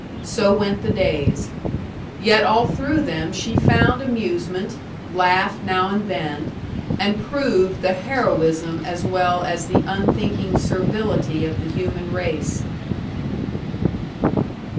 So went the days. Yet all through them she found amusement, laughed now and then, and proved the heroism as well as the unthinking servility of the human race.